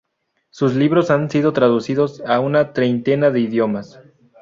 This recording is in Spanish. Sus libros han sido traducidos a una treintena de idiomas.